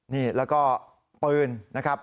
นี่แล้วก็ปืนนะครับ